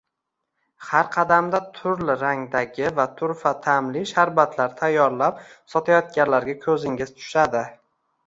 Har qadamda turli rangdagi va turfa ta’mli sharbatlar tayyorlab sotayotganlarga ko‘zingiz tushadi.